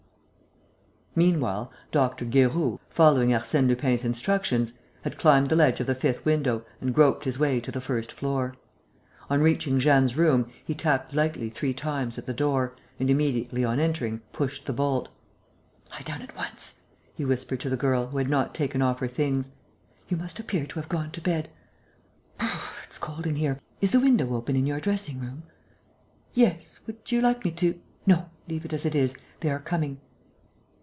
Meanwhile, Doctor Guéroult, following Arsène Lupin's instructions, had climbed the ledge of the fifth window and groped his way to the first floor. On reaching Jeanne's room, he tapped lightly, three times, at the door and, immediately on entering, pushed the bolt: "Lie down at once," he whispered to the girl, who had not taken off her things. "You must appear to have gone to bed. Brrrr, it's cold in here! Is the window open in your dressing room?" "Yes ... would you like me to ...?" "No, leave it as it is. They are coming."